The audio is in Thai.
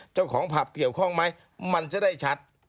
เจ้าของผับเกี่ยวข้องไหมมันจะได้ชัด